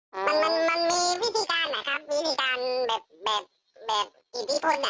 มันมันมันมีวิธีการเหรอคะวิธีการแบบแบกแบกอิทธิพลอ่ะ